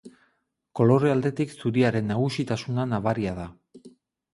Kolore aldetik zuriaren nagusitasuna nabaria da.